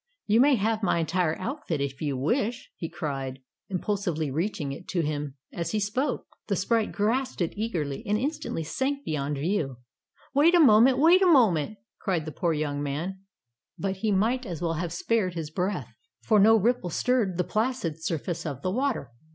"You may have my entire outfit, if you wish," he cried, impul sively, reaching it to him as he spoke. The 88 Tales of Modern Germany sprite grasped it eagerly, and instantly sank beyond view. ''Wait a moment, wait a moment,'' cried the poor young man. But he might as well have spared his breath, for no ripple stirred the placid surface of the water.